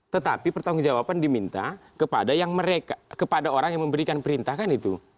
tetapi pertanggung jawaban diminta kepada orang yang memberikan perintah kan itu